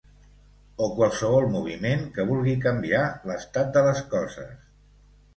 O qualsevol moviment que vulgui canviar l’estat de les coses.